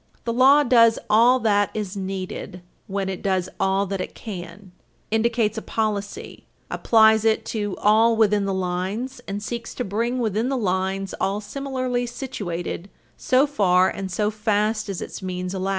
.. the law does all that is needed when it does all that it can, indicates a policy, applies it to all within the lines, and seeks to bring within the lines all similarly situated so far and so fast as its means allow.